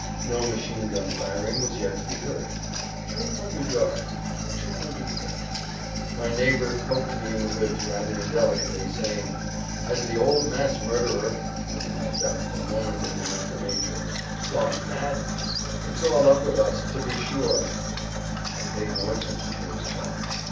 No machine gun firing was yet to be heard. Three hundred yards—250. My neighbor poked me in the ribs rather indelicately, saying, "Has the old mass murderer (I did not doubt for a moment that he meant the major) gone mad! It's all up with us, to be sure!" I paid no attention to his talk.